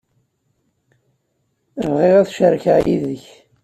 Bɣiɣ ad t-cerkeɣ yid-k.